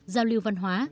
giao lưu văn hóa